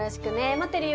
待ってるよ。